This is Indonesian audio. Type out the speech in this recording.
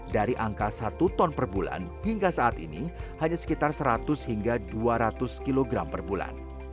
dari angka satu ton per bulan hingga saat ini hanya sekitar seratus hingga dua ratus kilogram per bulan